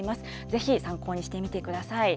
ぜひ参考にしてみてください。